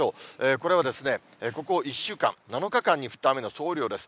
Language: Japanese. これはここ１週間、７日間に降った雨の総雨量です。